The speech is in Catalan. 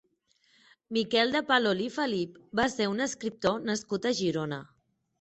Miquel de Palol i Felip va ser un escriptor nascut a Girona.